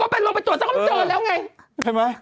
ไปลงไปตรวจสค้ำจนน้อยไหมมั้ยเอาลงไปต่อ